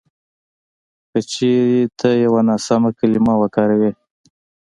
که چېرې ته یوه ناسمه کلیمه وکاروې